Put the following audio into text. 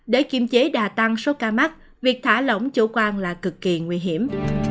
để kiềm chế đà tăng số ca mắc việc thả lỏng chủ quan là cực kỳ nguy hiểm